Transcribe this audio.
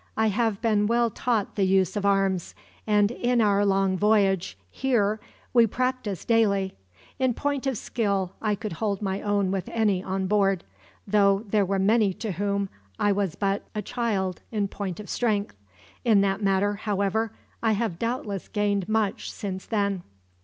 "I have been well taught the use of arms, and in our long voyage here we practiced daily. In point of skill I could hold my own with any on board, though there were many to whom I was but a child, in point of strength. In that matter, however, I have doubtless gained much since then.